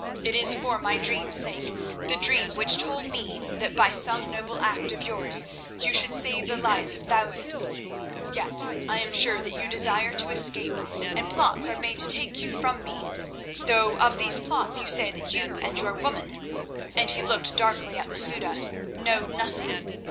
It is for my dream's sake, the dream which told me that by some noble act of yours you should save the lives of thousands. Yet I am sure that you desire to escape, and plots are made to take you from me, though of these plots you say that you and your woman"—and he looked darkly at Masouda—"know nothing.